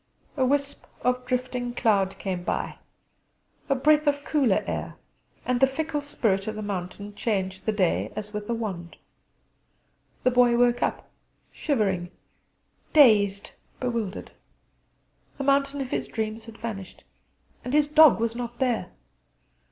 A wisp of drifting cloud came by, a breath of cooler air, and the fickle spirit of the mountain changed the day as with a wand. The Boy woke up shivering, dazed, bewildered: the mountain of his dreams had vanished; and his dog was not there!